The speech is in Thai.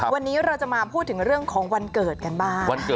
วันนี้เราจะมาพูดถึงเรื่องของวันเกิดกันบ้าง